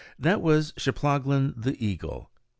That was Cheplahgan the eagle.